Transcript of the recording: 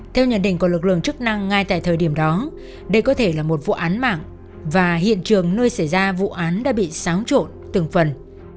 theo nhận định của lực lượng chức năng ngay tại thời điểm đó đây có thể là một vụ án mạng và hiện trường nơi xảy ra vụ án đã bị xáo trộn từng phần